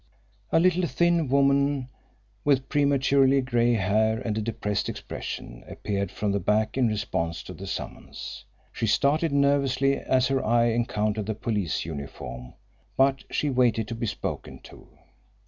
A little thin woman, with prematurely grey hair, and a depressed expression, appeared from the back in response to the summons. She started nervously as her eye encountered the police uniform, but she waited to be spoken to.